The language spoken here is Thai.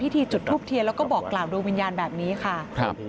พิธีจุดภูมิเทียแล้วก็บอกกราบโรงวิญญาณแบบนี้ค่ะ